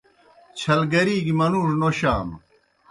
چھل گری گیْ منُوڙوْ نوشانوْ۔